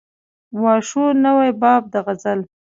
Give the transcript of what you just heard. وا شو نوی باب د غزل